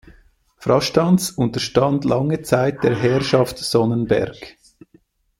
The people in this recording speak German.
Frastanz unterstand lange Zeit der Herrschaft Sonnenberg.